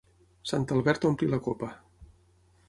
Sant Albert omple la copa.